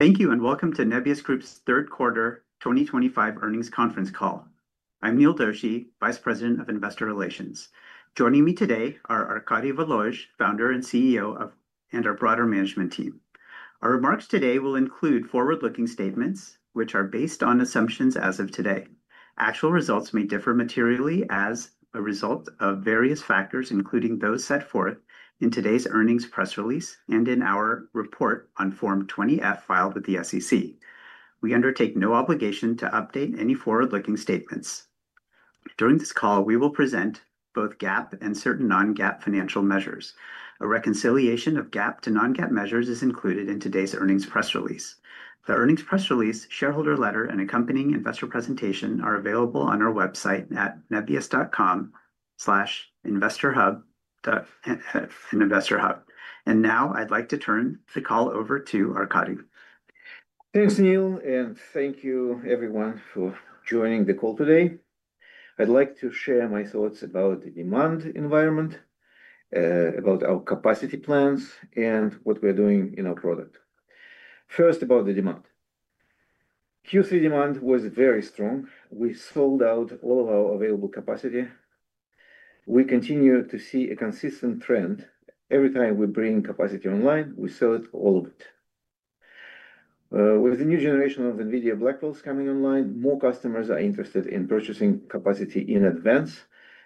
Thank you, and welcome to Nebius Group's Third Quarter 2025 Earnings Conference Call. I'm Neil Doshi, Vice President of Investor Relations. Joining me today are Arkady Volozh, Founder and CEO, and our broader management team. Our remarks today will include forward-looking statements, which are based on assumptions as of today. Actual results may differ materially as a result of various factors, including those set forth in today's earnings press release and in our report on Form 20F filed with the SEC. We undertake no obligation to update any forward-looking statements. During this call, we will present both GAAP and certain non-GAAP financial measures. A reconciliation of GAAP to non-GAAP measures is included in today's earnings press release. The earnings press release, shareholder letter, and accompanying investor presentation are available on our website at nebius.com/investorhub. I would now like to turn the call over to Arkady. Thanks, Neil, and thank you, everyone, for joining the call today. I'd like to share my thoughts about the demand environment, about our capacity plans, and what we're doing in our product. First, about the demand. Q3 demand was very strong. We sold out all of our available capacity. We continue to see a consistent trend. Every time we bring capacity online, we sell all of it. With the new generation of NVIDIA Blackwell coming online, more customers are interested in purchasing capacity in advance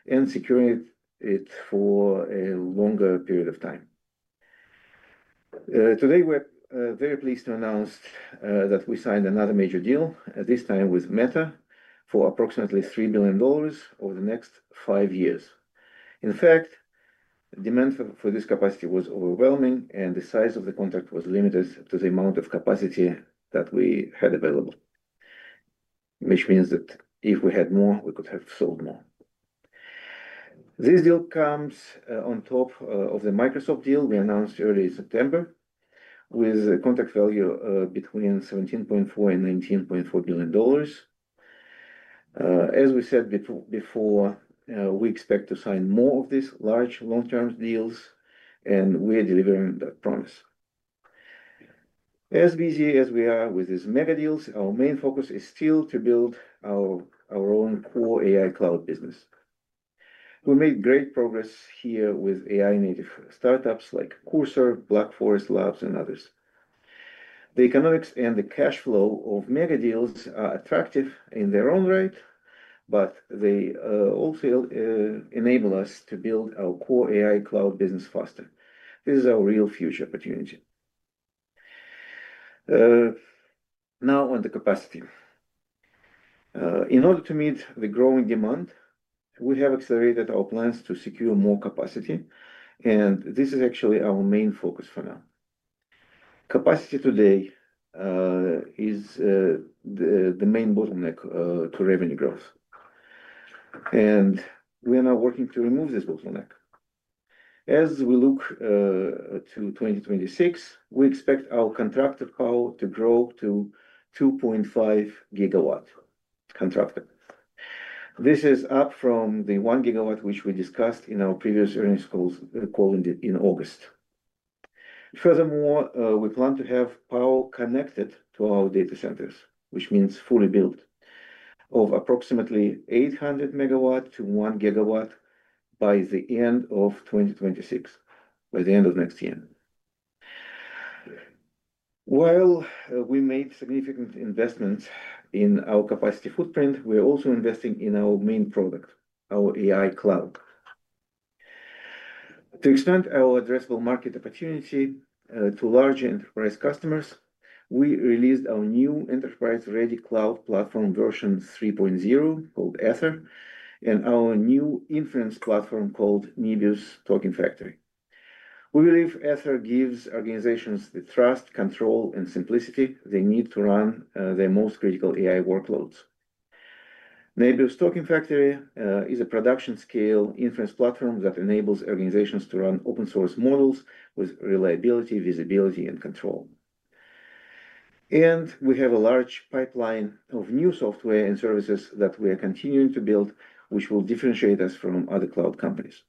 and securing it for a longer period of time. Today, we're very pleased to announce that we signed another major deal, this time with Meta, for approximately $3 billion over the next five years. In fact, demand for this capacity was overwhelming, and the size of the contract was limited to the amount of capacity that we had available, which means that if we had more, we could have sold more. This deal comes on top of the Microsoft deal we announced early September, with a contract value between $17.4 billion and $19.4 billion. As we said before, we expect to sign more of these large long-term deals, and we're delivering that promise. As busy as we are with these mega deals, our main focus is still to build our own core AI cloud business. We made great progress here with AI-native startups like Cursor, Black Forest Labs, and others. The economics and the cash flow of mega deals are attractive in their own right, but they also enable us to build our core AI cloud business faster. This is our real future opportunity. Now, on the capacity. In order to meet the growing demand, we have accelerated our plans to secure more capacity, and this is actually our main focus for now. Capacity today is the main bottleneck to revenue growth, and we are now working to remove this bottleneck. As we look to 2026, we expect our contracted power to grow to 2.5 gigawatt contracted. This is up from the 1 gigawatt, which we discussed in our previous earnings call in August. Furthermore, we plan to have power connected to our data centers, which means fully built, of approximately 800 megawatt to 1 gigawatt by the end of 2026, by the end of next year. While we made significant investments in our capacity footprint, we're also investing in our main product, our AI cloud. To expand our addressable market opportunity to large enterprise customers, we released our new enterprise-ready cloud platform version 3.0, called Aether, and our new inference platform called Nebius Token Factory. We believe Aether gives organizations the trust, control, and simplicity they need to run their most critical AI workloads. Nebius Token Factory is a production-scale inference platform that enables organizations to run open-source models with reliability, visibility, and control. We have a large pipeline of new software and services that we are continuing to build, which will differentiate us from other cloud companies.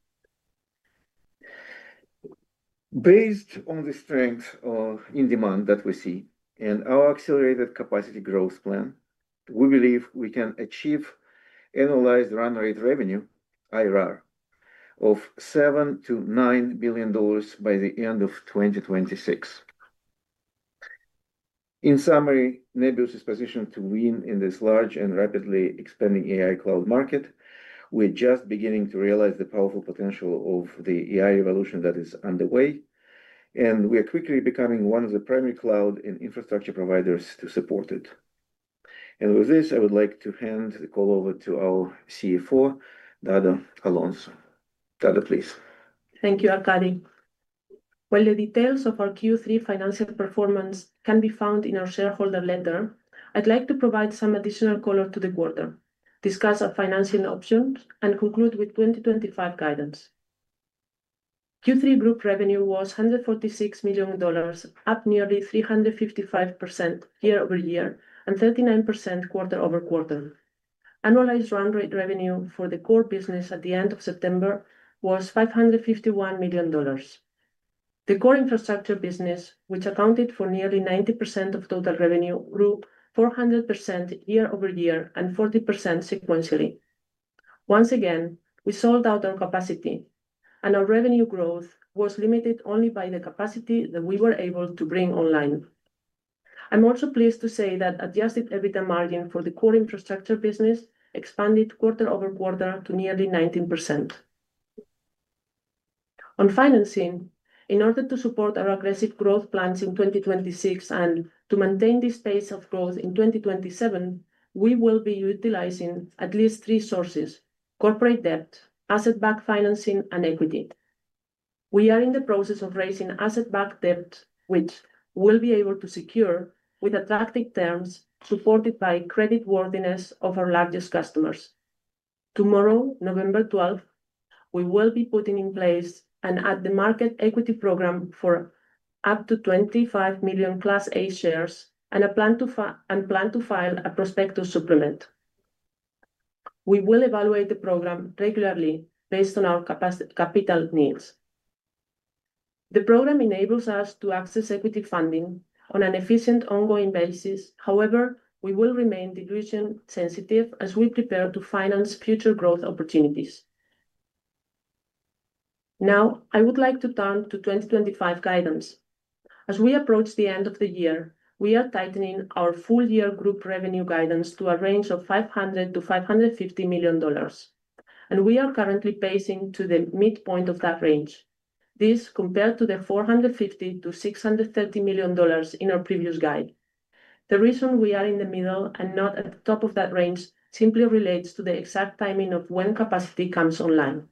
Based on the strength in demand that we see and our accelerated capacity growth plan, we believe we can achieve annualized run rate revenue, ARR, of $7 billion-$9 billion by the end of 2026. In summary, Nebius is positioned to win in this large and rapidly expanding AI cloud market. We're just beginning to realize the powerful potential of the AI revolution that is underway, and we are quickly becoming one of the primary cloud and infrastructure providers to support it. With this, I would like to hand the call over to our CFO, Dana Alonso. Dana, please. Thank you, Arkady. While the details of our Q3 financial performance can be found in our shareholder letter, I'd like to provide some additional color to the quarter, discuss our financing options, and conclude with 2025 guidance. Q3 group revenue was $146 million, up nearly 355% year-over-year and 39% quarter over quarter. Annualized run rate revenue for the core business at the end of September was $551 million. The core infrastructure business, which accounted for nearly 90% of total revenue, grew 400% year-over-year and 40% sequentially. Once again, we sold out our capacity, and our revenue growth was limited only by the capacity that we were able to bring online. I'm also pleased to say that adjusted EBITDA margin for the core infrastructure business expanded quarter over quarter to nearly 19%. On financing, in order to support our aggressive growth plans in 2026 and to maintain this pace of growth in 2027, we will be utilizing at least three sources: corporate debt, asset-backed financing, and equity. We are in the process of raising asset-backed debt, which we'll be able to secure with attractive terms supported by creditworthiness of our largest customers. Tomorrow, November 12, we will be putting in place an at-the-market equity program for up to 25 million Class A shares and plan to file a prospectus supplement. We will evaluate the program regularly based on our capital needs. The program enables us to access equity funding on an efficient ongoing basis. However, we will remain dilution-sensitive as we prepare to finance future growth opportunities. Now, I would like to turn to 2025 guidance. As we approach the end of the year, we are tightening our full-year group revenue guidance to a range of $500-$550 million, and we are currently pacing to the midpoint of that range. This is compared to the $450-$630 million in our previous guide. The reason we are in the middle and not at the top of that range simply relates to the exact timing of when capacity comes online.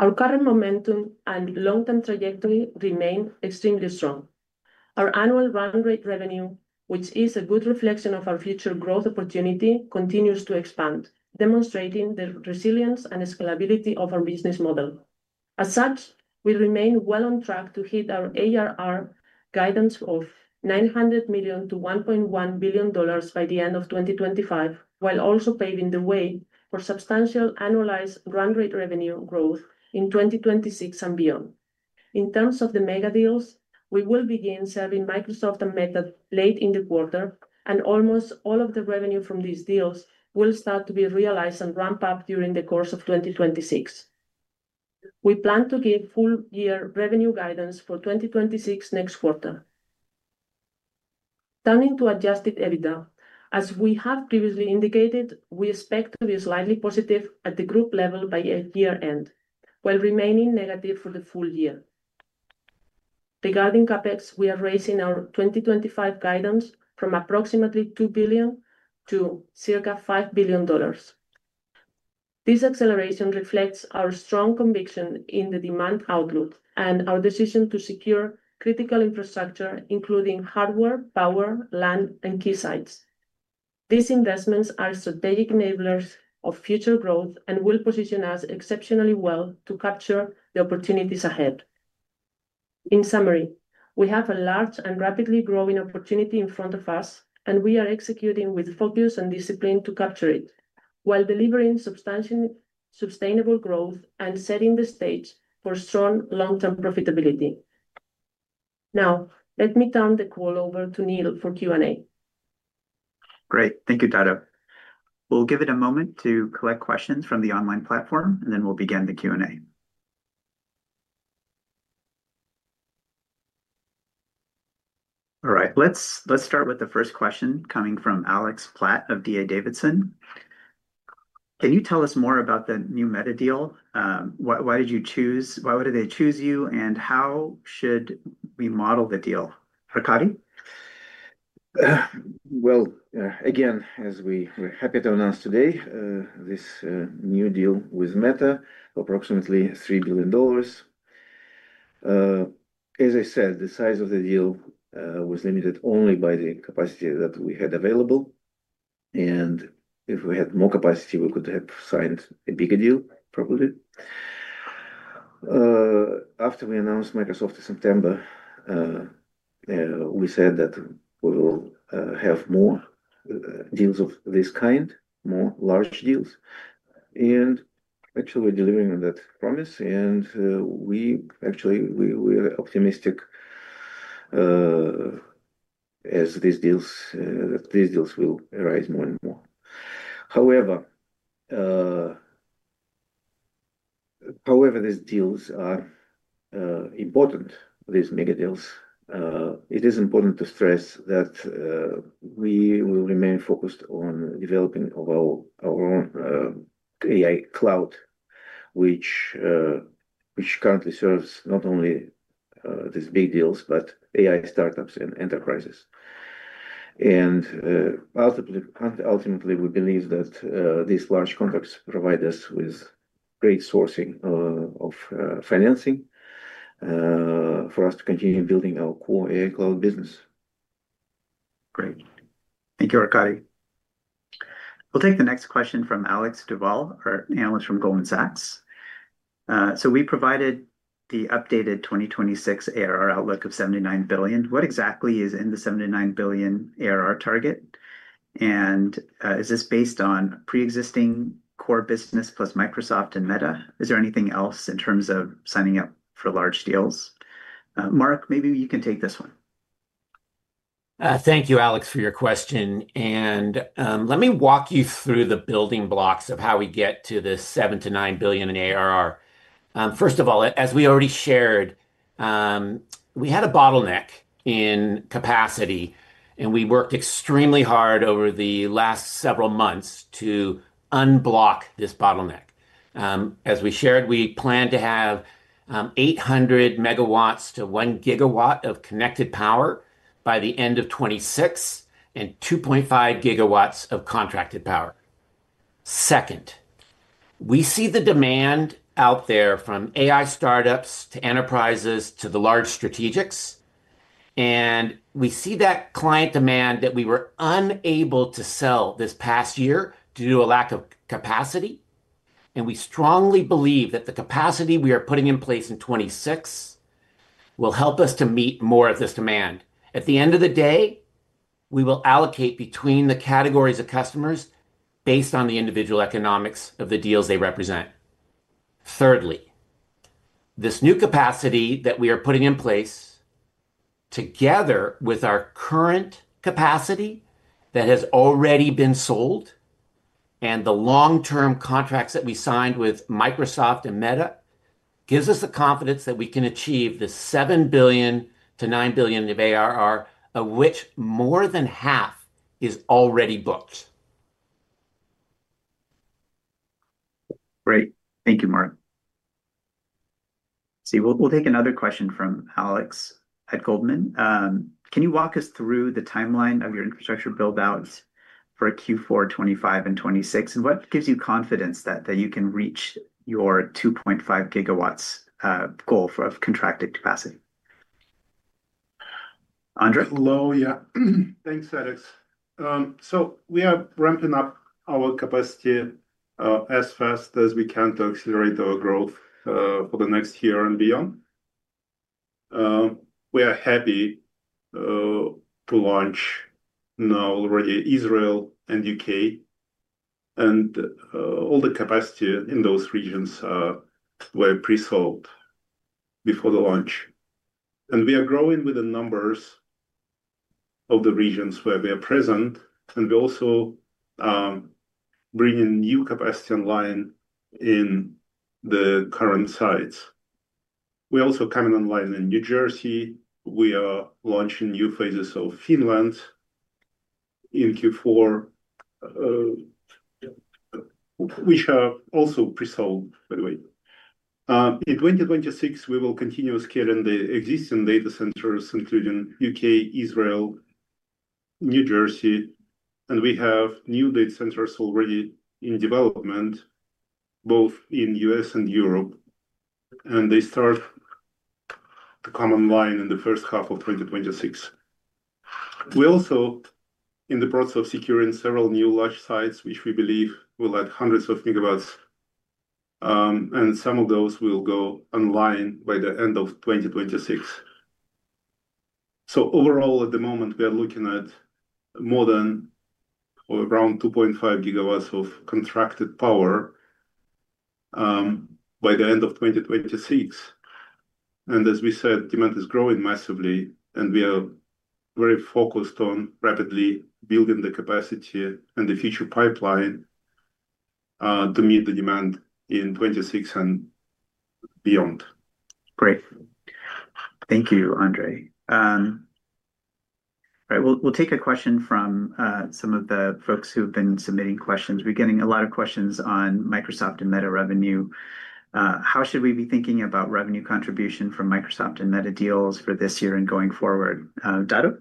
Our current momentum and long-term trajectory remain extremely strong. Our annual run rate revenue, which is a good reflection of our future growth opportunity, continues to expand, demonstrating the resilience and scalability of our business model. As such, we remain well on track to hit our ARR guidance of $900 million-$1.1 billion by the end of 2025, while also paving the way for substantial annualized run rate revenue growth in 2026 and beyond. In terms of the mega deals, we will begin serving Microsoft and Meta late in the quarter, and almost all of the revenue from these deals will start to be realized and ramp up during the course of 2026. We plan to give full-year revenue guidance for 2026 next quarter. Turning to adjusted EBITDA, as we have previously indicated, we expect to be slightly positive at the group level by year-end, while remaining negative for the full year. Regarding CapEx, we are raising our 2025 guidance from approximately $2 billion to circa $5 billion. This acceleration reflects our strong conviction in the demand outlook and our decision to secure critical infrastructure, including hardware, power, land, and key sites. These investments are strategic enablers of future growth and will position us exceptionally well to capture the opportunities ahead. In summary, we have a large and rapidly growing opportunity in front of us, and we are executing with focus and discipline to capture it, while delivering sustainable growth and setting the stage for strong long-term profitability. Now, let me turn the call over to Neil for Q&A. Great. Thank you, Dada. We'll give it a moment to collect questions from the online platform, and then we'll begin the Q&A. All right, let's start with the first question coming from Alex Platt of DA Davidson. Can you tell us more about the new Meta deal? Why did you choose? Why would they choose you, and how should we model the deal? Arkady? As we're happy to announce today, this new deal with Meta is approximately $3 billion. As I said, the size of the deal was limited only by the capacity that we had available. If we had more capacity, we could have signed a bigger deal, probably. After we announced Microsoft in September, we said that we will have more deals of this kind, more large deals. We are delivering on that promise, and we actually were optimistic as these deals will arise more and more. However, these deals are important, these mega deals. It is important to stress that we will remain focused on developing our own AI cloud, which currently serves not only these big deals, but AI startups and enterprises. Ultimately, we believe that these large contracts provide us with great sourcing of financing for us to continue building our core AI cloud business. Great. Thank you, Arkady. We'll take the next question from Alex Duvall, our analyst from Goldman Sachs. We provided the updated 2026 ARR outlook of $79 billion. What exactly is in the $79 billion ARR target? Is this based on pre-existing core business plus Microsoft and Meta? Is there anything else in terms of signing up for large deals? Mark, maybe you can take this one. Thank you, Alex, for your question. Let me walk you through the building blocks of how we get to this $7 billion-$9 billion in ARR. First of all, as we already shared, we had a bottleneck in capacity, and we worked extremely hard over the last several months to unblock this bottleneck. As we shared, we plan to have 800 MW-1 GW of connected power by the end of 2026 and 2.5 GW of contracted power. Second, we see the demand out there from AI startups to enterprises to the large strategics. We see that client demand that we were unable to sell this past year due to a lack of capacity. We strongly believe that the capacity we are putting in place in 2026 will help us to meet more of this demand. At the end of the day, we will allocate between the categories of customers based on the individual economics of the deals they represent. Thirdly, this new capacity that we are putting in place together with our current capacity that has already been sold and the long-term contracts that we signed with Microsoft and Meta gives us the confidence that we can achieve the $7 billion-$9 billion of ARR, of which more than half is already booked. Great. Thank you, Mark. See, we'll take another question from Alex at Goldman. Can you walk us through the timeline of your infrastructure build-out for Q4 2025 and 2026? What gives you confidence that you can reach your 2.5 gigawatts goal of contracted capacity? Andrey? Hello. Yeah. Thanks, Alex. We are ramping up our capacity as fast as we can to accelerate our growth for the next year and beyond. We are happy to launch now already Israel and the U.K., and all the capacity in those regions were pre-sold before the launch. We are growing with the numbers of the regions where we are present, and we're also bringing new capacity online in the current sites. We're also coming online in New Jersey. We are launching new phases of Finland in Q4, which are also pre-sold, by the way. In 2026, we will continue scaling the existing data centers, including the U.K., Israel, New Jersey, and we have new data centers already in development, both in the U.S. and Europe, and they start to come online in the first half of 2026. We're also in the process of securing several new large sites, which we believe will add hundreds of megawatts, and some of those will go online by the end of 2026. Overall, at the moment, we are looking at more than around 2.5 gigawatts of contracted power by the end of 2026. As we said, demand is growing massively, and we are very focused on rapidly building the capacity and the future pipeline to meet the demand in 2026 and beyond. Great. Thank you, Andrey. All right, we'll take a question from some of the folks who've been submitting questions. We're getting a lot of questions on Microsoft and Meta revenue. How should we be thinking about revenue contribution from Microsoft and Meta deals for this year and going forward? Dada?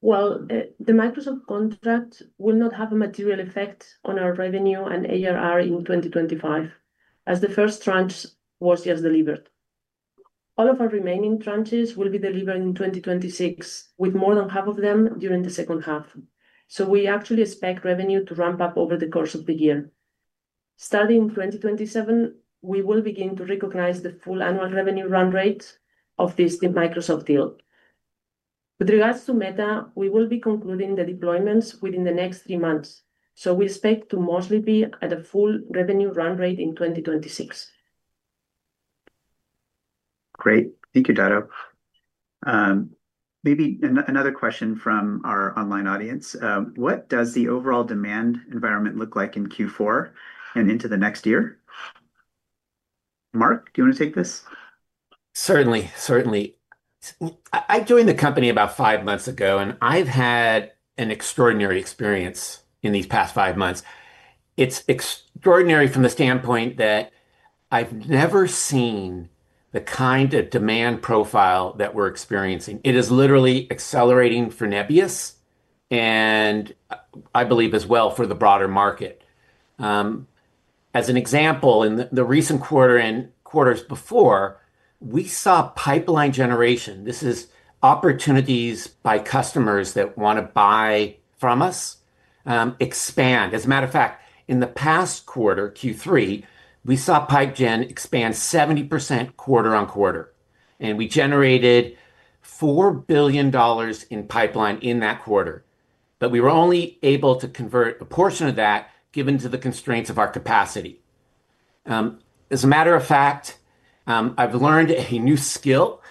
The Microsoft contract will not have a material effect on our revenue and ARR in 2025, as the first tranche was just delivered. All of our remaining tranches will be delivered in 2026, with more than half of them during the second half. We actually expect revenue to ramp up over the course of the year. Starting in 2027, we will begin to recognize the full annual revenue run rate of this Microsoft deal. With regards to Meta, we will be concluding the deployments within the next three months. We expect to mostly be at a full revenue run rate in 2026. Great. Thank you, Dada. Maybe another question from our online audience. What does the overall demand environment look like in Q4 and into the next year? Mark, do you want to take this? Certainly, certainly. I joined the company about five months ago, and I've had an extraordinary experience in these past five months. It's extraordinary from the standpoint that I've never seen the kind of demand profile that we're experiencing. It is literally accelerating for Nebius, and I believe as well for the broader market. As an example, in the recent quarters before, we saw pipeline generation. This is opportunities by customers that want to buy from us expand. As a matter of fact, in the past quarter, Q3, we saw PipeGen expand 70% quarter on quarter. We generated $4 billion in pipeline in that quarter. We were only able to convert a portion of that given to the constraints of our capacity. As a matter of fact, I've learned a new skill,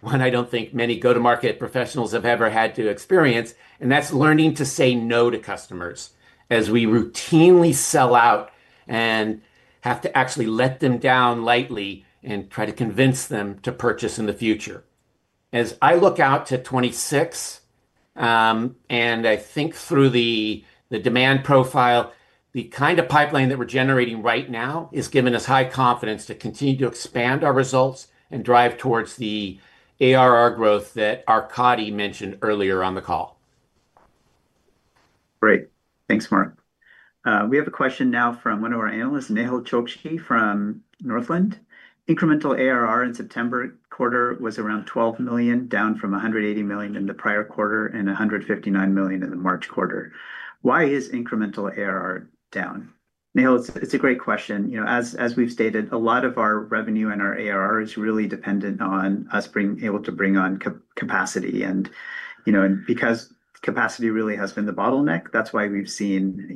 one I don't think many go-to-market professionals have ever had to experience, and that's learning to say no to customers as we routinely sell out and have to actually let them down lightly and try to convince them to purchase in the future. As I look out to 2026 and I think through the demand profile, the kind of pipeline that we're generating right now is giving us high confidence to continue to expand our results and drive towards the ARR growth that Arkady mentioned earlier on the call. Great. Thanks, Mark. We have a question now from one of our analysts, Neil Chulgki from Northland. Incremental ARR in September quarter was around $12 million, down from $180 million in the prior quarter and $159 million in the March quarter. Why is incremental ARR down? Neil, it's a great question. As we've stated, a lot of our revenue and our ARR is really dependent on us being able to bring on capacity. Because capacity really has been the bottleneck, that's why we've seen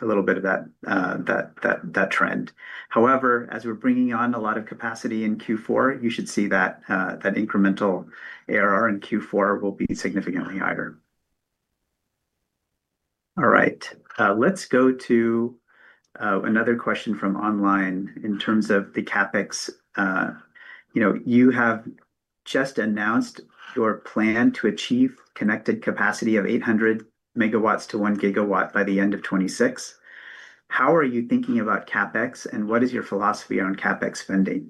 a little bit of that trend. However, as we're bringing on a lot of capacity in Q4, you should see that incremental ARR in Q4 will be significantly higher. All right, let's go to another question from online in terms of the CapEx. You have just announced your plan to achieve connected capacity of 800 MW-1 GW by the end of 2026. How are you thinking about CapEx and what is your philosophy on CapEx spending?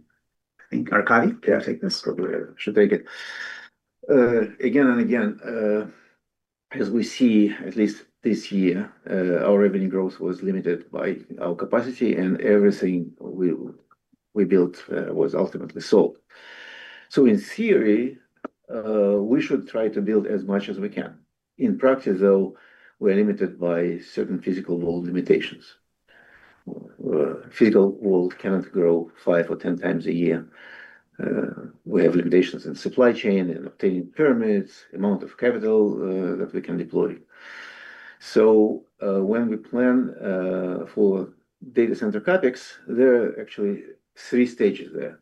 I think Arkady, you want to take this? Sure, I should take it. Again and again, as we see, at least this year, our revenue growth was limited by our capacity, and everything we built was ultimately sold. In theory, we should try to build as much as we can. In practice, though, we're limited by certain physical wall limitations. Physical wall cannot grow five or ten times a year. We have limitations in supply chain and obtaining permits, amount of capital that we can deploy. When we plan for data center CapEx, there are actually three stages there.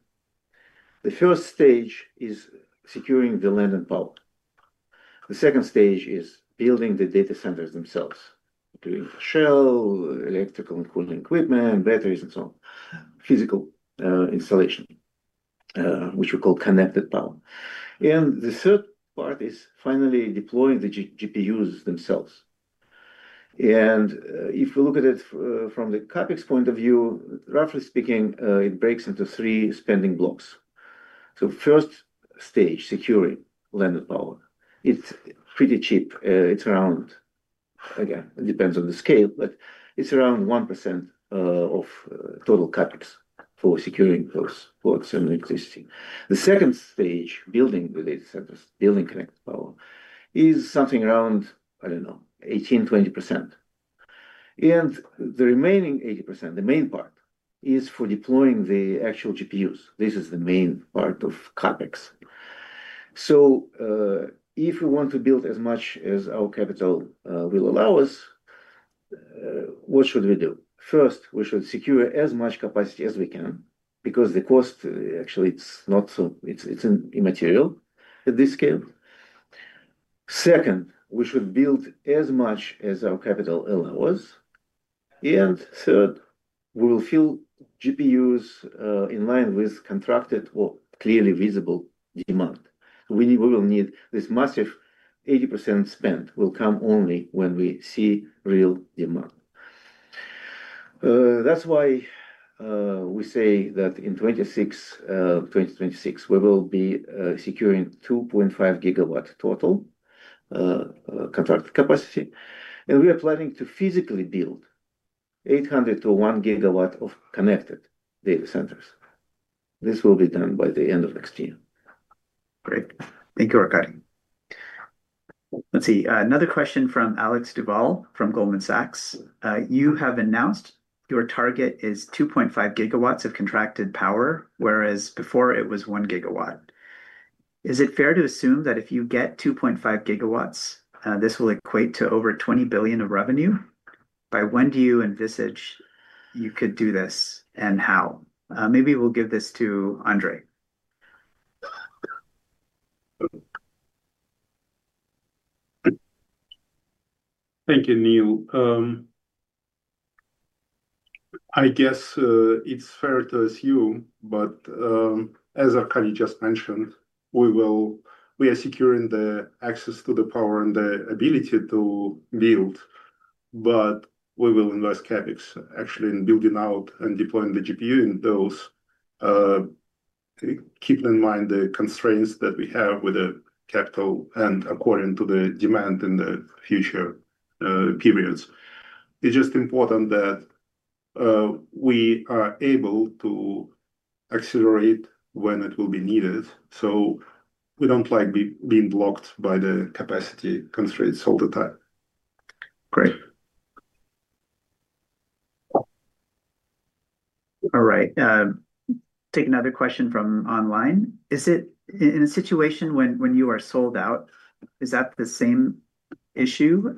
The first stage is securing the land and power. The second stage is building the data centers themselves, including shell, electrical and cooling equipment, batteries, and so on, physical installation, which we call connected power. The third part is finally deploying the GPUs themselves. If we look at it from the CapEx point of view, roughly speaking, it breaks into three spending blocks. First stage, securing land and power. It is pretty cheap. It is around, again, it depends on the scale, but it is around 1% of total CapEx for securing those blocks and electricity. The second stage, building the data centers, building connected power, is something around, I do not know, 18-20%. The remaining 80%, the main part, is for deploying the actual GPUs. This is the main part of CapEx. If we want to build as much as our capital will allow us, what should we do? First, we should secure as much capacity as we can because the cost, actually, it is not, so it is immaterial at this scale. Second, we should build as much as our capital allows. Third, we will fill GPUs in line with contracted or clearly visible demand. We will need this massive 80% spend will come only when we see real demand. That is why we say that in 2026, we will be securing 2.5 gigawatt total contracted capacity. We are planning to physically build 800-1,000 megawatt of connected data centers. This will be done by the end of 2026. Great. Thank you, Arkady. Let's see. Another question from Alex Duvall from Goldman Sachs. You have announced your target is 2.5 gigawatts of contracted power, whereas before it was 1 gigawatt. Is it fair to assume that if you get 2.5 gigawatts, this will equate to over $20 billion of revenue? By when do you envisage you could do this and how? Maybe we'll give this to Andrey. Thank you, Neil. I guess it's fair to assume, but as Arkady just mentioned, we are securing the access to the power and the ability to build. We will invest CapEx, actually, in building out and deploying the GPU in those, keeping in mind the constraints that we have with the capital and according to the demand in the future periods. It's just important that we are able to accelerate when it will be needed. We do not like being blocked by the capacity constraints all the time. Great. All right. Take another question from online. Is it in a situation when you are sold out, is that the same issue,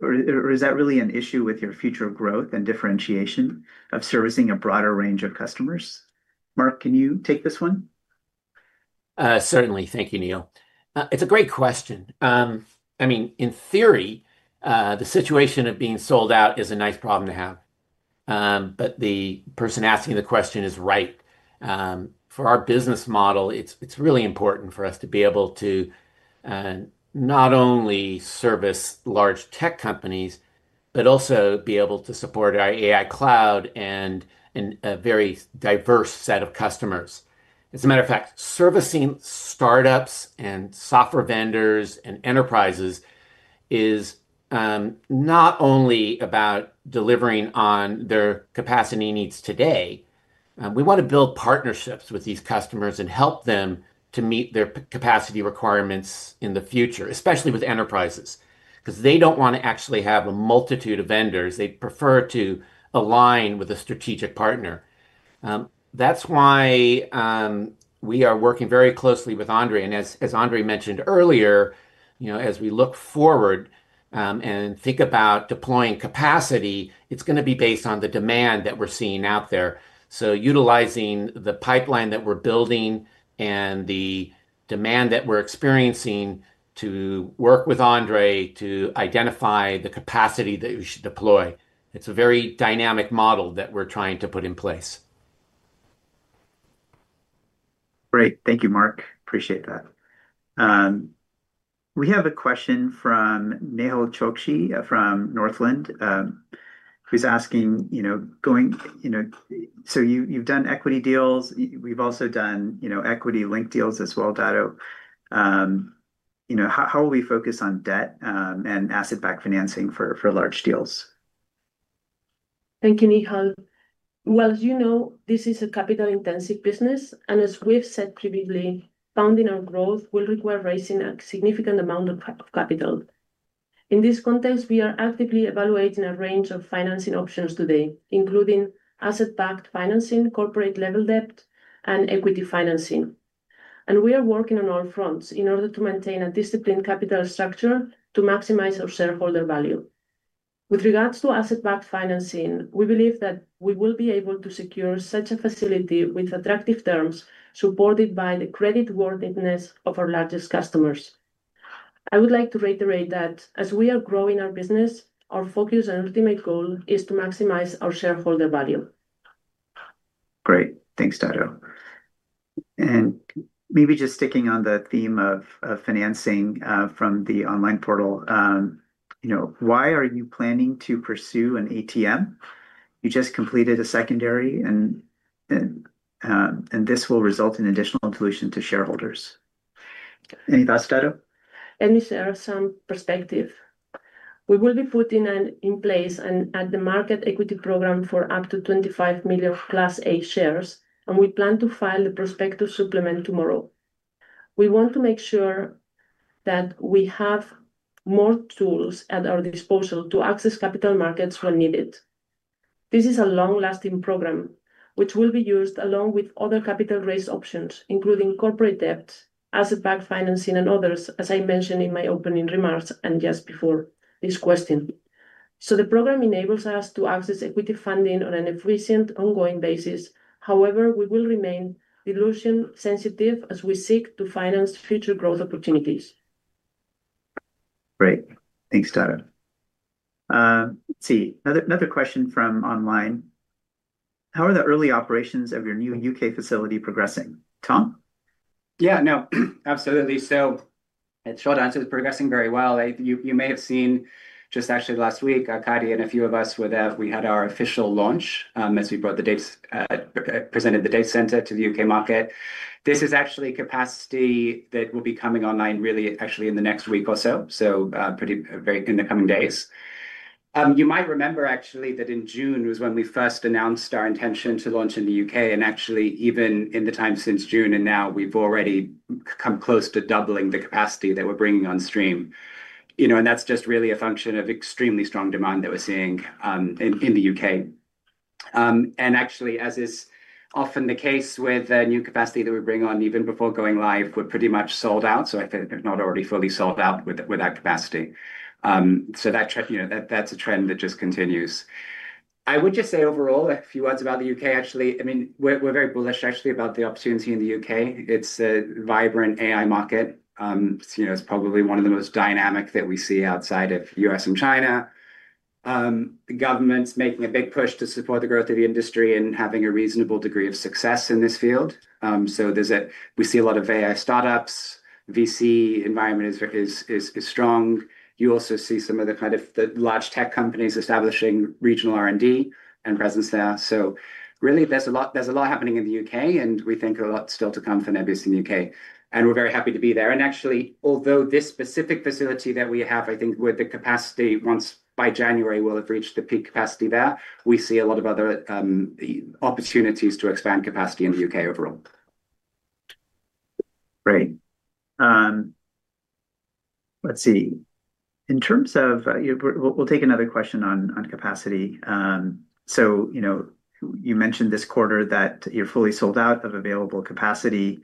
or is that really an issue with your future growth and differentiation of servicing a broader range of customers? Mark, can you take this one? Certainly. Thank you, Neil. It's a great question. I mean, in theory, the situation of being sold out is a nice problem to have. The person asking the question is right. For our business model, it's really important for us to be able to not only service large tech companies, but also be able to support our AI cloud and a very diverse set of customers. As a matter of fact, servicing startups and software vendors and enterprises is not only about delivering on their capacity needs today. We want to build partnerships with these customers and help them to meet their capacity requirements in the future, especially with enterprises, because they do not want to actually have a multitude of vendors. They prefer to align with a strategic partner. That's why we are working very closely with Andrey. As Andrey mentioned earlier, as we look forward and think about deploying capacity, it's going to be based on the demand that we're seeing out there. Utilizing the pipeline that we're building and the demand that we're experiencing to work with Andrey to identify the capacity that we should deploy. It's a very dynamic model that we're trying to put in place. Great. Thank you, Mark. Appreciate that. We have a question from Neil Doshi from Northland, who's asking, so you've done equity deals. We've also done equity-linked deals as well, Dana. How are we focused on debt and asset-backed financing for large deals? Thank you, Neil. As you know, this is a capital-intensive business. As we've said previously, funding our growth will require raising a significant amount of capital. In this context, we are actively evaluating a range of financing options today, including asset-backed financing, corporate-level debt, and equity financing. We are working on all fronts in order to maintain a disciplined capital structure to maximize our shareholder value. With regards to asset-backed financing, we believe that we will be able to secure such a facility with attractive terms supported by the creditworthiness of our largest customers. I would like to reiterate that as we are growing our business, our focus and ultimate goal is to maximize our shareholder value. Great. Thanks, Dada. Maybe just sticking on the theme of financing from the online portal, why are you planning to pursue an ATM? You just completed a secondary, and this will result in additional dilution to shareholders. Any thoughts, Dada? Let me share some perspective. We will be putting in place an at-the-market equity program for up to 25 million class A shares, and we plan to file the prospectus supplement tomorrow. We want to make sure that we have more tools at our disposal to access capital markets when needed. This is a long-lasting program, which will be used along with other capital-raise options, including corporate debt, asset-backed financing, and others, as I mentioned in my opening remarks and just before this question. The program enables us to access equity funding on an efficient ongoing basis. However, we will remain dilution-sensitive as we seek to finance future growth opportunities. Great. Thanks, Dada. Let's see. Another question from online. How are the early operations of your new U.K. facility progressing? Tom? Yeah, no, absolutely. Short answer, it's progressing very well. You may have seen just actually last week, Arkady and a few of us, we had our official launch as we presented the data center to the U.K. market. This is actually capacity that will be coming online really actually in the next week or so, so pretty in the coming days. You might remember actually that in June was when we first announced our intention to launch in the U.K., and actually even in the time since June and now, we've already come close to doubling the capacity that we're bringing on stream. That's just really a function of extremely strong demand that we're seeing in the U.K. Actually, as is often the case with the new capacity that we bring on, even before going live, we're pretty much sold out. I think they're not already fully sold out with that capacity. That's a trend that just continues. I would just say overall, a few words about the U.K., actually. I mean, we're very bullish actually about the opportunity in the U.K. It's a vibrant AI market. It's probably one of the most dynamic that we see outside of the U.S. and China. The government's making a big push to support the growth of the industry and having a reasonable degree of success in this field. We see a lot of AI startups. VC environment is strong. You also see some of the kind of large tech companies establishing regional R&D and presence there. Really, there's a lot happening in the U.K., and we think a lot still to come for Nebius in the U.K. We're very happy to be there. Actually, although this specific facility that we have, I think with the capacity, once by January, we'll have reached the peak capacity there, we see a lot of other opportunities to expand capacity in the U.K. overall. Great. Let's see. In terms of we'll take another question on capacity. You mentioned this quarter that you're fully sold out of available capacity. What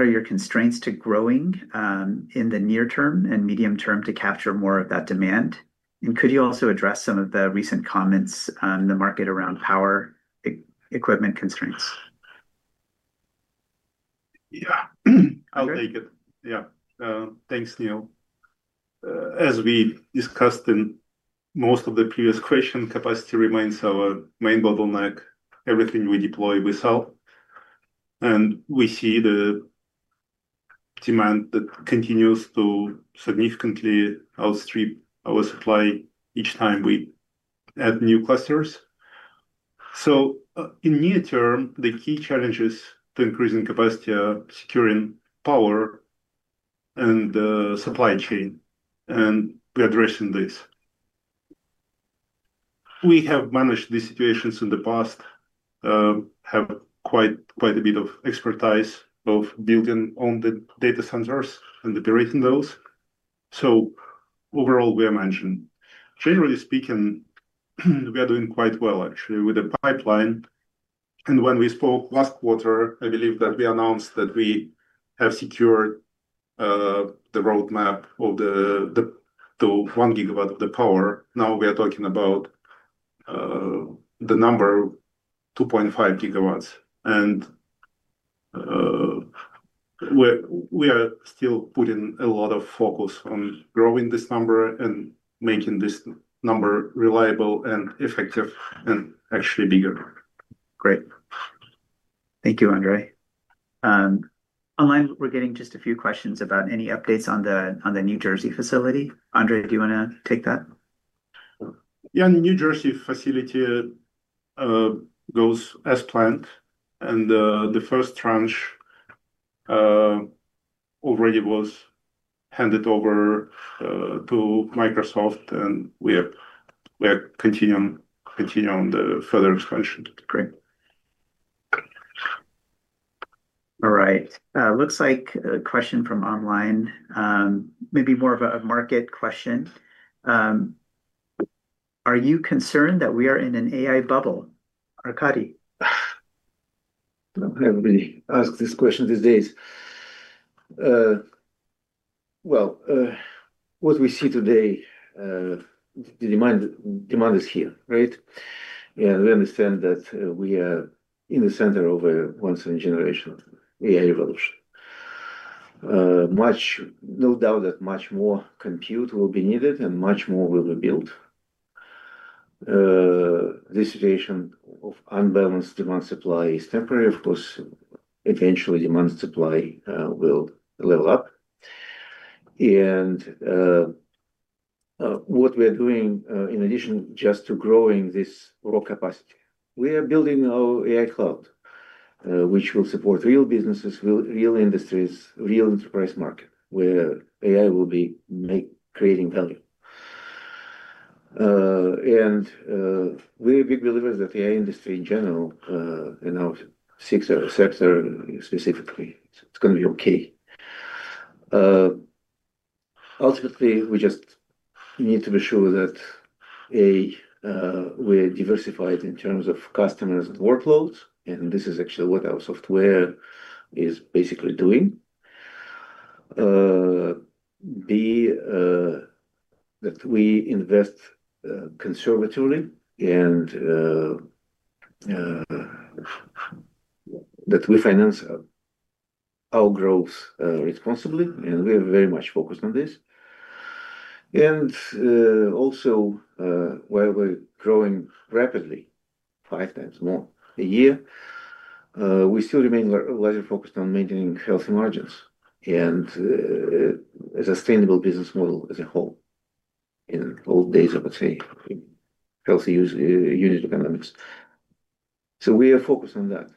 are your constraints to growing in the near term and medium term to capture more of that demand? Could you also address some of the recent comments in the market around power equipment constraints? Yeah, I'll take it. Yeah. Thanks, Neil. As we discussed in most of the previous question, capacity remains our main bottleneck. Everything we deploy, we sell. We see the demand that continues to significantly outstrip our supply each time we add new clusters. In the near term, the key challenges to increasing capacity are securing power and the supply chain, and we're addressing this. We have managed these situations in the past, have quite a bit of expertise of building on the data centers and operating those. Overall, we are managing. Generally speaking, we are doing quite well actually with the pipeline. When we spoke last quarter, I believe that we announced that we have secured the roadmap of the 1 gigawatt of the power. Now we are talking about the number of 2.5 gigawatts. We are still putting a lot of focus on growing this number and making this number reliable and effective and actually bigger. Great. Thank you, Andrey. Online, we're getting just a few questions about any updates on the New Jersey facility. Andrey, do you want to take that? Yeah, New Jersey facility goes as planned. The first tranche already was handed over to Microsoft, and we are continuing the further expansion. Great. All right. Looks like a question from online, maybe more of a market question. Are you concerned that we are in an AI bubble? Arkady? I do not have any ask this question these days. What we see today, the demand is here, right? We understand that we are in the center of a once-in-a-generation AI revolution. No doubt that much more compute will be needed and much more will be built. This situation of unbalanced demand-supply is temporary. Of course, eventually, demand-supply will level up. What we are doing, in addition just to growing this raw capacity, we are building our AI cloud, which will support real businesses, real industries, real enterprise market, where AI will be creating value. We are big believers that the AI industry in general, in our sector specifically, it is going to be okay. Ultimately, we just need to be sure that we are diversified in terms of customers and workloads. This is actually what our software is basically doing. We invest conservatively and we finance our growth responsibly. We are very much focused on this. While we are growing rapidly, five times more a year, we still remain largely focused on maintaining healthy margins and a sustainable business model as a whole. In all days, I would say, healthy unit economics. We are focused on that.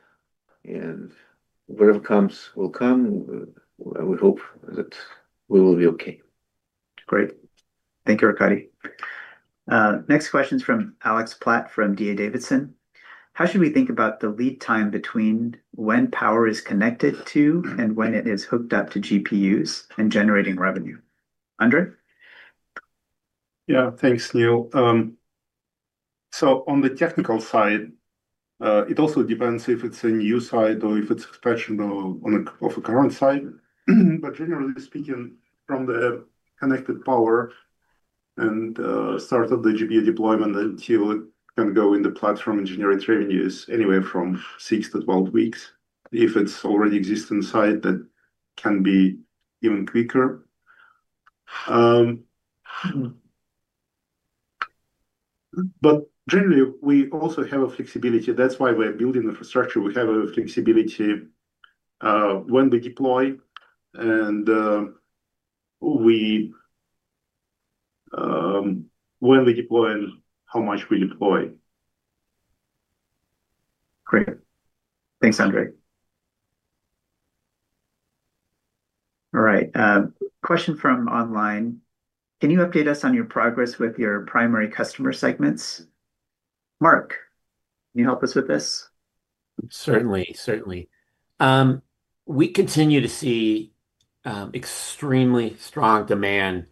Whatever comes will come. We hope that we will be okay. Great. Thank you, Arkady. Next question is from Alex Platt from DA Davidson. How should we think about the lead time between when power is connected to and when it is hooked up to GPUs and generating revenue? Andrey? Yeah, thanks, Neil. On the technical side, it also depends if it's a new site or if it's expansion of a current site. Generally speaking, from the connected power and start of the GPU deployment until it can go in the platform and generate revenues, anywhere from 6-12 weeks. If it's already existing site, that can be even quicker. Generally, we also have a flexibility. That's why we're building infrastructure. We have a flexibility when we deploy and when we deploy and how much we deploy. Great. Thanks, Andrey. All right. Question from online. Can you update us on your progress with your primary customer segments? Mark, can you help us with this? Certainly, certainly. We continue to see extremely strong demand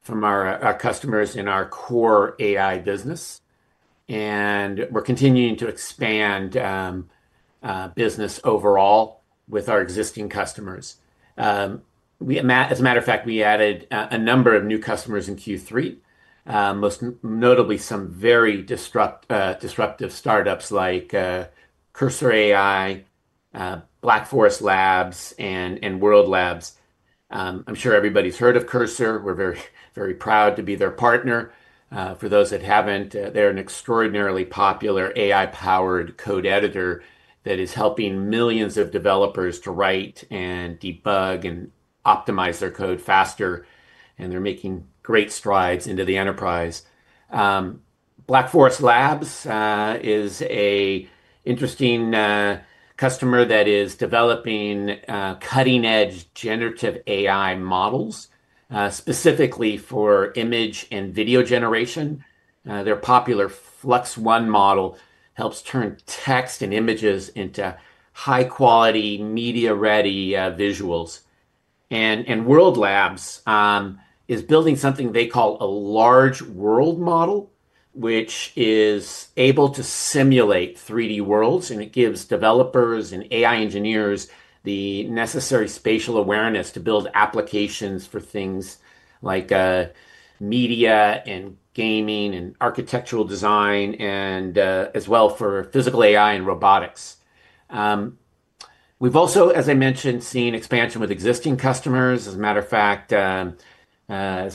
from our customers in our core AI business. We're continuing to expand business overall with our existing customers. As a matter of fact, we added a number of new customers in Q3, most notably some very disruptive startups like Cursor, Black Forest Labs, and World Labs. I'm sure everybody's heard of Cursor. We're very proud to be their partner. For those that haven't, they're an extraordinarily popular AI-powered code editor that is helping millions of developers to write and debug and optimize their code faster. They're making great strides into the enterprise. Black Forest Labs is an interesting customer that is developing cutting-edge generative AI models specifically for image and video generation. Their popular FluxOne model helps turn text and images into high-quality media-ready visuals. World Labs is building something they call a large world model, which is able to simulate 3D worlds. It gives developers and AI engineers the necessary spatial awareness to build applications for things like media and gaming and architectural design, and as well for physical AI and robotics. We've also, as I mentioned, seen expansion with existing customers. As a matter of fact, as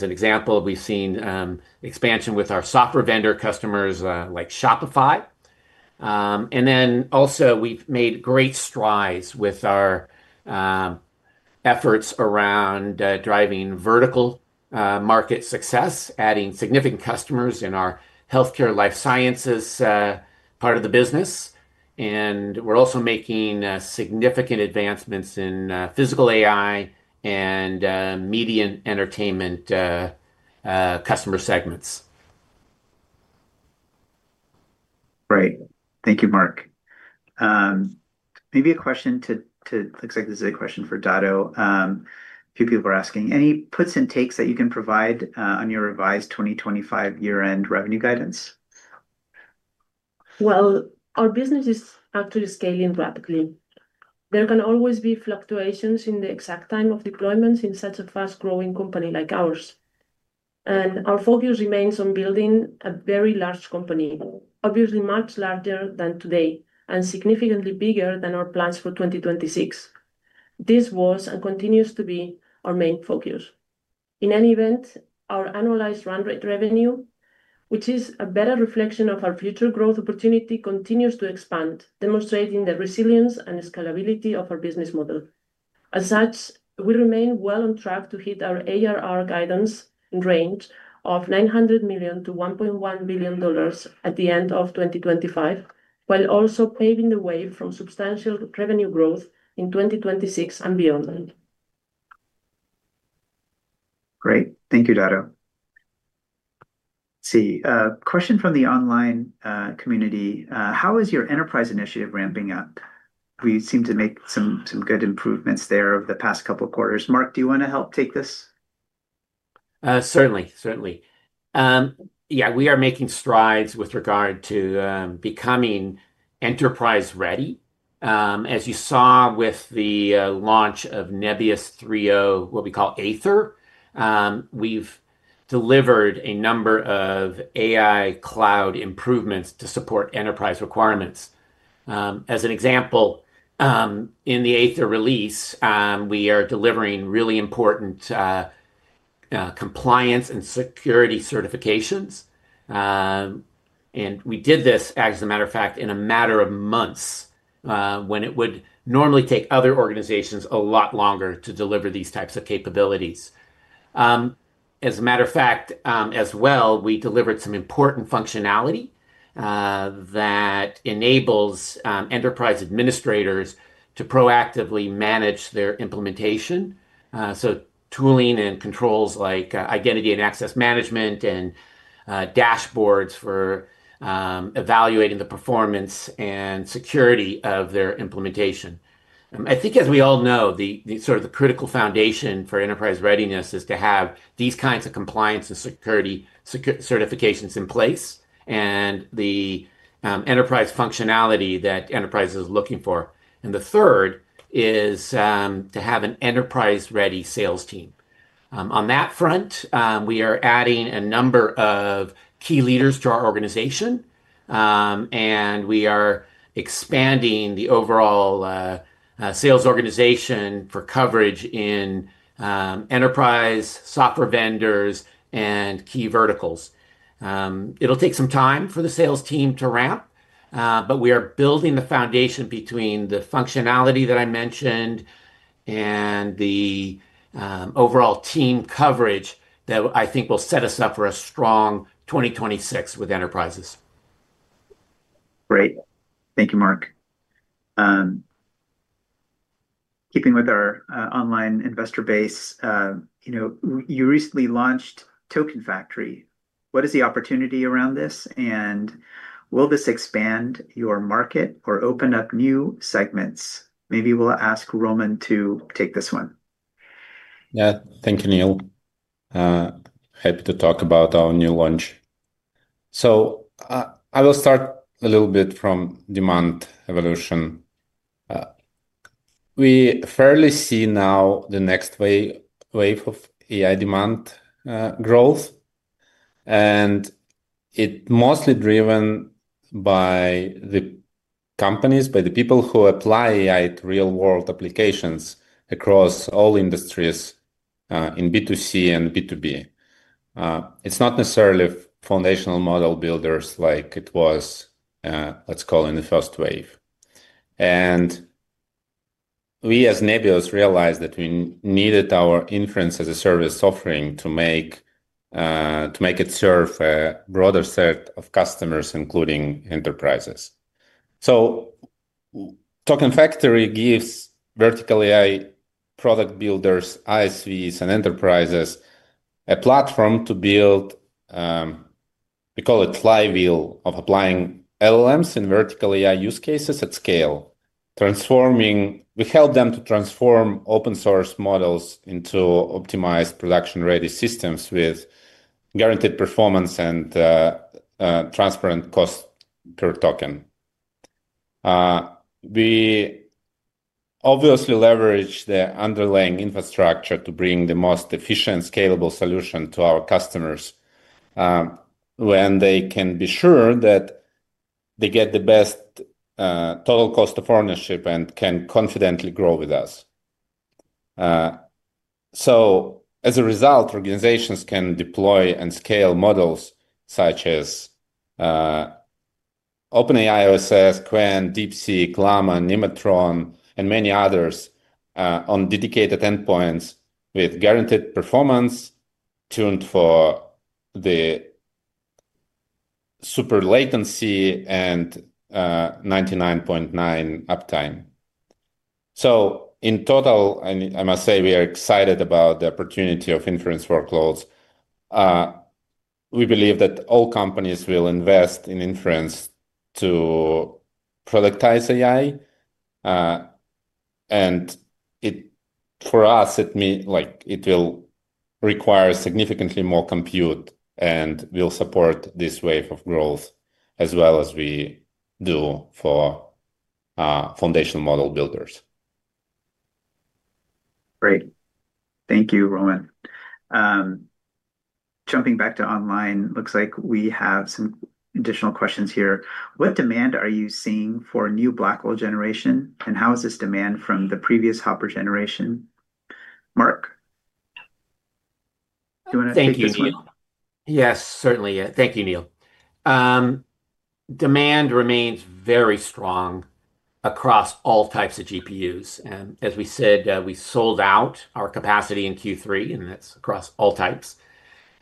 an example, we've seen expansion with our software vendor customers like Shopify. We've made great strides with our efforts around driving vertical market success, adding significant customers in our healthcare life sciences part of the business. We're also making significant advancements in physical AI and media and entertainment customer segments. Great. Thank you, Mark. Maybe a question to, looks like this is a question for Dado. A few people are asking, any puts and takes that you can provide on your revised 2025 year-end revenue guidance? Our business is actually scaling rapidly. There can always be fluctuations in the exact time of deployments in such a fast-growing company like ours. Our focus remains on building a very large company, obviously much larger than today and significantly bigger than our plans for 2026. This was and continues to be our main focus. In any event, our annualized run rate revenue, which is a better reflection of our future growth opportunity, continues to expand, demonstrating the resilience and scalability of our business model. As such, we remain well on track to hit our ARR guidance range of $900 million-$1.1 billion at the end of 2025, while also paving the way for substantial revenue growth in 2026 and beyond. Great. Thank you, Dado. Let's see. Question from the online community. How is your enterprise initiative ramping up? We seem to make some good improvements there over the past couple of quarters. Mark, do you want to help take this? Certainly, certainly. Yeah, we are making strides with regard to becoming enterprise-ready. As you saw with the launch of Nebius 3.0, what we call Aether, we've delivered a number of AI cloud improvements to support enterprise requirements. As an example, in the Aether release, we are delivering really important compliance and security certifications. As a matter of fact, we did this in a matter of months, when it would normally take other organizations a lot longer to deliver these types of capabilities. As a matter of fact, as well, we delivered some important functionality that enables enterprise administrators to proactively manage their implementation. Tooling and controls like identity and access management and dashboards for evaluating the performance and security of their implementation. I think, as we all know, the sort of critical foundation for enterprise readiness is to have these kinds of compliance and security certifications in place and the enterprise functionality that enterprises are looking for. The third is to have an enterprise-ready sales team. On that front, we are adding a number of key leaders to our organization. We are expanding the overall sales organization for coverage in enterprise software vendors and key verticals. It'll take some time for the sales team to ramp, but we are building the foundation between the functionality that I mentioned and the overall team coverage that I think will set us up for a strong 2026 with enterprises. Great. Thank you, Mark. Keeping with our online investor base, you recently launched Token Factory. What is the opportunity around this? Will this expand your market or open up new segments? Maybe we'll ask Roman to take this one. Yeah, thank you, Neil. Happy to talk about our new launch. I will start a little bit from demand evolution. We fairly see now the next wave of AI demand growth. It is mostly driven by the companies, by the people who apply AI to real-world applications across all industries in B2C and B2B. It is not necessarily foundational model builders like it was, let's call it, in the first wave. We, as Nebius, realized that we needed our inference-as-a-service offering to make it serve a broader set of customers, including enterprises. Token Factory gives vertical AI product builders, ISVs, and enterprises a platform to build, we call it Flywheel, of applying LLMs in vertical AI use cases at scale. We help them to transform open-source models into optimized production-ready systems with guaranteed performance and transparent cost per token. We obviously leverage the underlying infrastructure to bring the most efficient, scalable solution to our customers when they can be sure that they get the best total cost of ownership and can confidently grow with us. As a result, organizations can deploy and scale models such as OpenAI OSS, Qwen, DeepSeek, Llama, Nematron, and many others on dedicated endpoints with guaranteed performance tuned for the super latency and 99.9% uptime. In total, I must say, we are excited about the opportunity of inference workloads. We believe that all companies will invest in inference to productize AI. For us, it will require significantly more compute and will support this wave of growth as well as we do for foundational model builders. Great. Thank you, Roman. Jumping back to online, looks like we have some additional questions here. What demand are you seeing for new Blackwell generation? And how is this demand from the previous Hopper generation? Mark? Do you want to take this one? Thank you, Neil. Yes, certainly. Thank you, Neil. Demand remains very strong across all types of GPUs. As we said, we sold out our capacity in Q3, and that is across all types.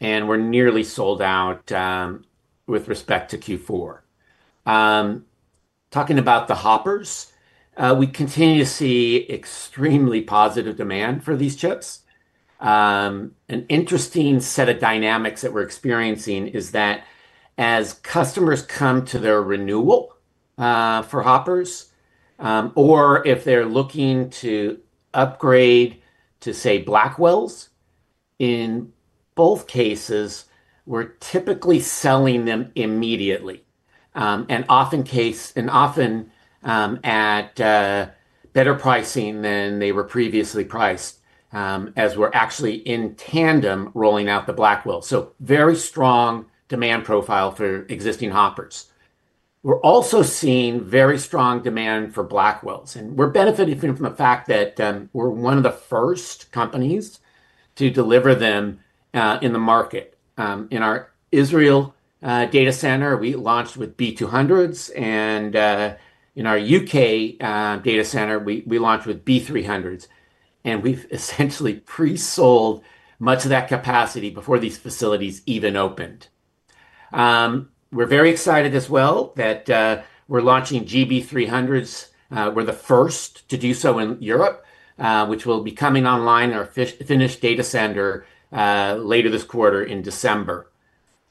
We are nearly sold out with respect to Q4. Talking about the Hoppers, we continue to see extremely positive demand for these chips. An interesting set of dynamics that we are experiencing is that as customers come to their renewal for Hoppers, or if they are looking to upgrade to, say, Blackwells, in both cases, we are typically selling them immediately and often at better pricing than they were previously priced as we are actually in tandem rolling out the Blackwell. Very strong demand profile for existing Hoppers. We are also seeing very strong demand for Blackwells. We are benefiting from the fact that we are one of the first companies to deliver them in the market. In our Israel data center, we launched with B200s. In our U.K. data center, we launched with B300s. We have essentially pre-sold much of that capacity before these facilities even opened. We are very excited as well that we are launching GB300s. We are the first to do so in Europe, which will be coming online, our Finland data center, later this quarter in December.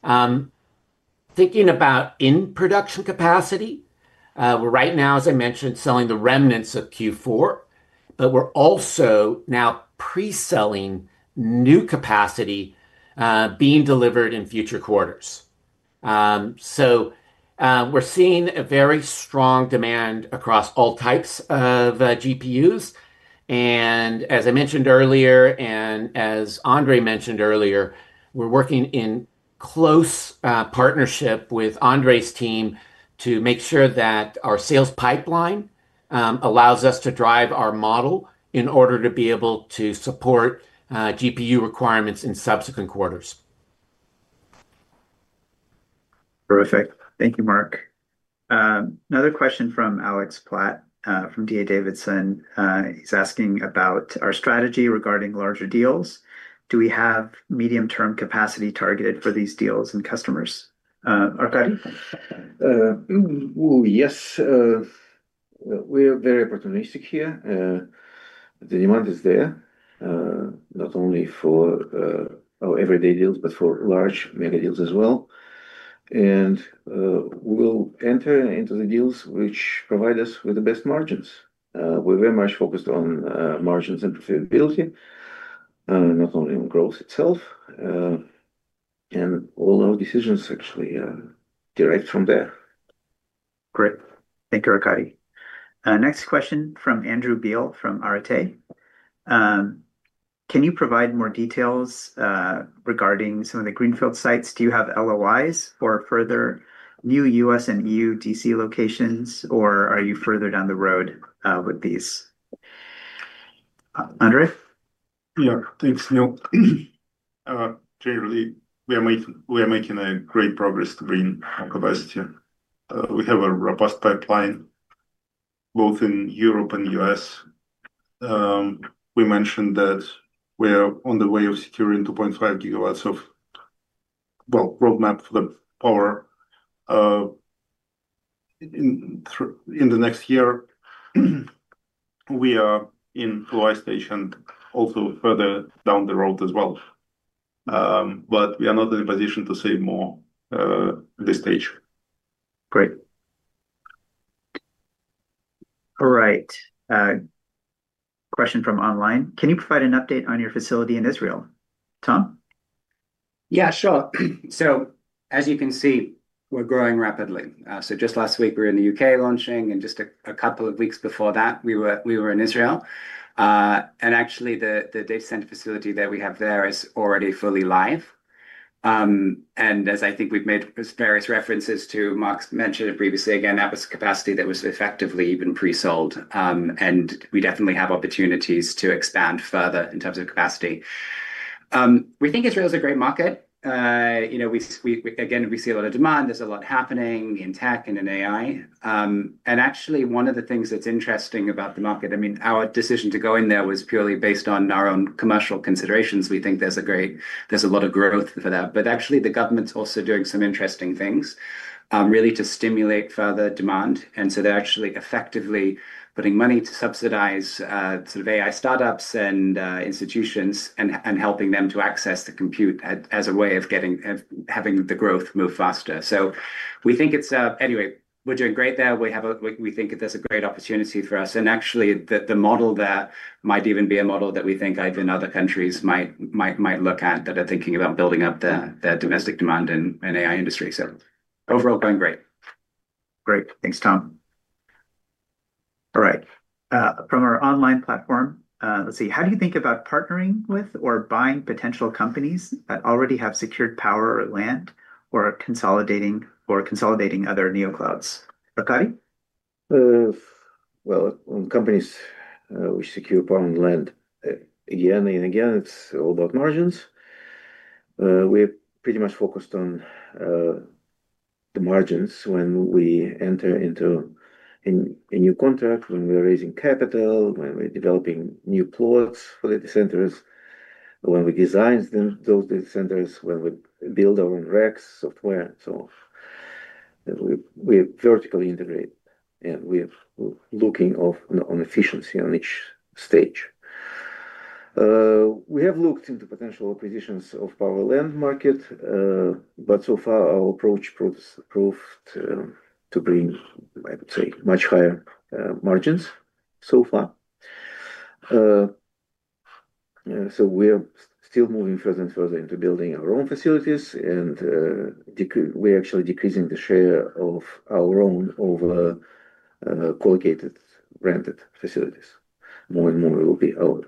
Thinking about in-production capacity, we are right now, as I mentioned, selling the remnants of Q4. We are also now pre-selling new capacity being delivered in future quarters. We are seeing a very strong demand across all types of GPUs. As I mentioned earlier, and as Andrey mentioned earlier, we are working in close partnership with Andrey's team to make sure that our sales pipeline allows us to drive our model in order to be able to support GPU requirements in subsequent quarters. Terrific. Thank you, Mark. Another question from Alex Platt from DA Davidson. He's asking about our strategy regarding larger deals. Do we have medium-term capacity targeted for these deals and customers? Arkady? Yes. We are very opportunistic here. The demand is there, not only for our everyday deals, but for large mega deals as well. We will enter into the deals which provide us with the best margins. We are very much focused on margins and profitability, not only on growth itself. All our decisions actually are derived from there. Great. Thank you, Arkady. Next question from Andrew Beal from Aratay. Can you provide more details regarding some of the Greenfield sites? Do you have LOIs for further new US and EU DC locations, or are you further down the road with these? Andrey? Yeah, thanks, Neil. Generally, we are making great progress to bring more capacity. We have a robust pipeline both in Europe and US. We mentioned that we are on the way of securing 2.5 gigawatts of, well, roadmap for the power in the next year. We are in LOI stage and also further down the road as well. We are not in a position to say more at this stage. Great. All right. Question from online. Can you provide an update on your facility in Israel, Tom? Yeah, sure. As you can see, we're growing rapidly. Just last week, we were in the U.K. launching. Just a couple of weeks before that, we were in Israel. Actually, the data center facility that we have there is already fully live. As I think we've made various references to, Mark mentioned it previously, again, that was capacity that was effectively even pre-sold. We definitely have opportunities to expand further in terms of capacity. We think Israel is a great market. Again, we see a lot of demand. There's a lot happening in tech and in AI. Actually, one of the things that's interesting about the market, I mean, our decision to go in there was purely based on our own commercial considerations. We think there's a lot of growth for that. Actually, the government's also doing some interesting things really to stimulate further demand. They're actually effectively putting money to subsidize sort of AI startups and institutions and helping them to access the compute as a way of having the growth move faster. We think it's, anyway, we're doing great there. We think that there's a great opportunity for us. Actually, the model there might even be a model that we think even other countries might look at that are thinking about building up their domestic demand in the AI industry. Overall, going great. Great. Thanks, Tom. All right. From our online platform, let's see. How do you think about partnering with or buying potential companies that already have secured power or land or consolidating other neoclouds? Arkady? Companies which secure power and land, again and again, it's all about margins. We're pretty much focused on the margins when we enter into a new contract, when we're raising capital, when we're developing new plots for data centers, when we design those data centers, when we build our own racks, software. We vertically integrate. We're looking on efficiency on each stage. We have looked into potential acquisitions of power land market. So far, our approach proves to bring, I would say, much higher margins so far. We are still moving further and further into building our own facilities. We're actually decreasing the share of our own over-colocated, rented facilities. More and more, it will be our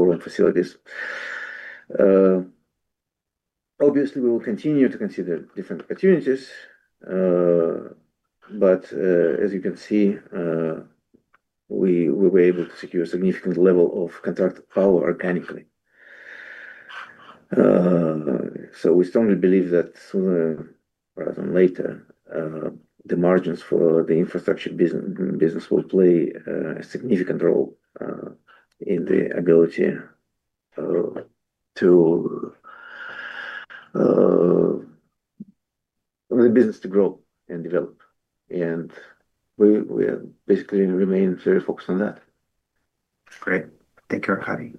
own facilities. Obviously, we will continue to consider different opportunities. As you can see, we were able to secure a significant level of contracted power organically. We strongly believe that sooner rather than later, the margins for the infrastructure business will play a significant role in the ability to the business to grow and develop. We basically remain very focused on that. Great. Thank you, Arkady.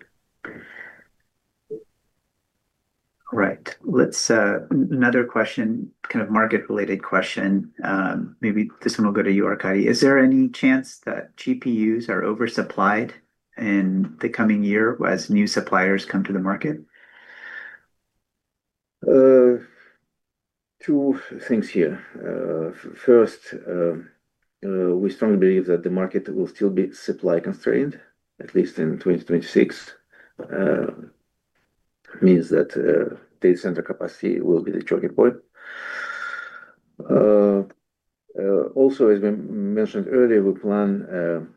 All right. Another question, kind of market-related question. Maybe this one will go to you, Arkady. Is there any chance that GPUs are oversupplied in the coming year as new suppliers come to the market? Two things here. First, we strongly believe that the market will still be supply constrained, at least in 2026. It means that data center capacity will be the choking point. Also, as we mentioned earlier, we plan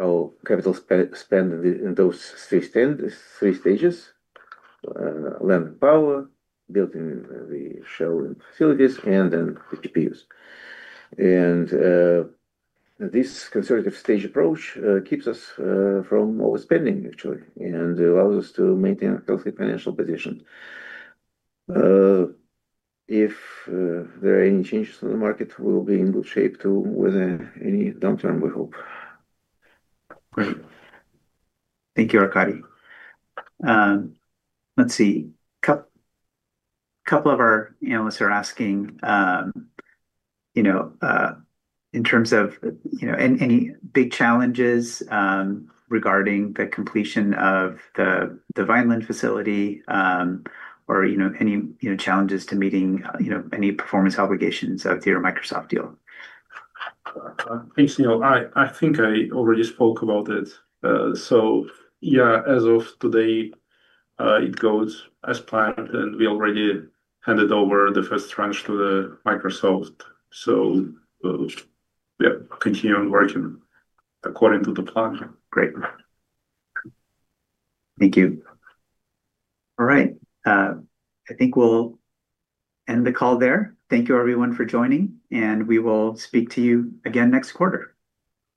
our capital spend in those three stages: land power, building the shell and facilities, and then the GPUs. This conservative stage approach keeps us from overspending, actually, and allows us to maintain a healthy financial position. If there are any changes in the market, we'll be in good shape to weather any downturn, we hope. Great. Thank you, Arkady. Let's see. A couple of our analysts are asking in terms of any big challenges regarding the completion of the Vineland facility or any challenges to meeting any performance obligations of your Microsoft deal. Thanks, Neil. I think I already spoke about it. Yeah, as of today, it goes as planned. We already handed over the first tranche to Microsoft. Yeah, continuing working according to the plan. Great. Thank you. All right. I think we'll end the call there. Thank you, everyone, for joining. We will speak to you again next quarter.